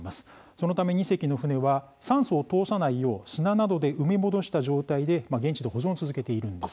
そのため２隻の船は酸素を通さないよう砂などで埋め戻した状態で現地で保存を続けているんです。